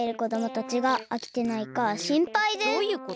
どういうこと？